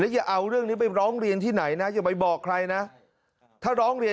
อย่าเอาเรื่องนี้ไปร้องเรียนที่ไหนนะอย่าไปบอกใครนะถ้าร้องเรียน